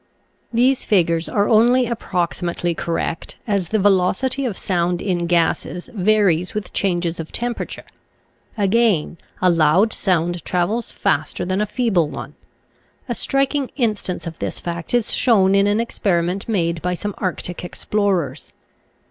These figures are only approximately cor Oriyinal from UNIVERSITY OF WISCONSIN 62 nature's flSfracles. rect, as the velocity of sound in gases varies with changes of temperature. Again, a loud sound travels faster than a feeble one. A striking instance of this fact is shown in an experiment made by some Arctic explorers.